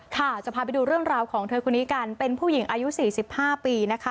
ค่ะจะพาไปดูเรื่องราวของเธอคนนี้กันเป็นผู้หญิงอายุ๔๕ปีนะคะ